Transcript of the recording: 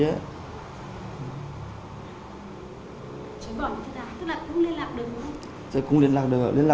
chẳng bỏ lỡ thật á tức là cũng liên lạc được không ạ